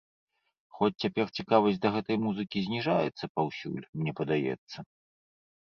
Хоць, цяпер цікавасць да гэтай музыкі зніжаецца паўсюль, мне падаецца.